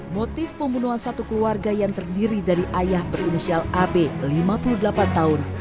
motif pembunuhan satu keluarga yang terdiri dari ayah berinisial ab lima puluh delapan tahun